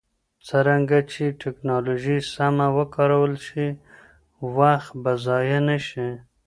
څرنګه چې ټکنالوژي سمه وکارول شي، وخت به ضایع نه شي.